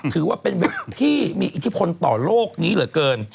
ถือว่าเป็นวิทย์ที่มีอิทธิพลต่อโลกนี้เหลือเกิน